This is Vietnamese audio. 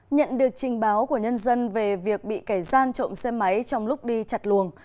nhận được trình báo của nhân dân về việc bị kẻ gian trộm xe máy trong lúc đi chặt luồng